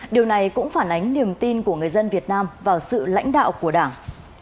điều này cũng phản ánh niềm tin của người dân việt nam vào sự lãnh đạo của đảng